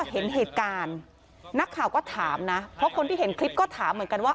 เห็นเหตุการณ์นักข่าวก็ถามนะเพราะคนที่เห็นคลิปก็ถามเหมือนกันว่า